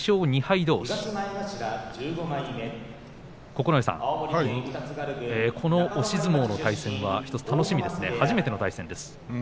九重さん、この押し相撲の対戦は楽しみですね、初めての対戦です。